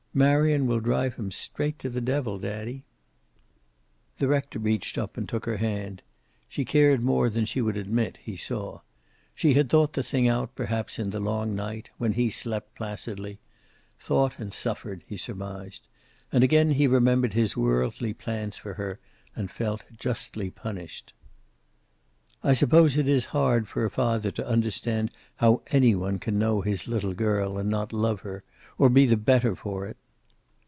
"Marion will drive him straight to the devil, daddy." The rector reached up and took her hand. She cared more than she would admit, he saw. She had thought the thing out, perhaps in the long night when he slept placidly. Thought and suffered, he surmised. And again he remembered his worldly plans for her, and felt justly punished. "I suppose it is hard for a father to understand how any one can know his little girl and not love her. Or be the better for it."